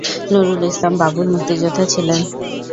নুরুল ইসলাম বাবুল মুক্তিযোদ্ধা ছিলেন।